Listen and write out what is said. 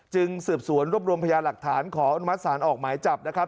สืบสวนรวบรวมพยาหลักฐานขออนุมัติศาลออกหมายจับนะครับ